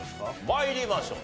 参りましょう。